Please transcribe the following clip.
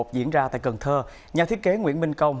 diễn ra tại cần thơ nhà thiết kế nguyễn minh công